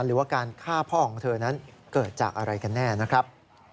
หรือว่าการฆ่าพ่อของเธอนั้นเกิดจากอะไรกันแน่นะครับ